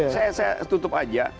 saya tutup saja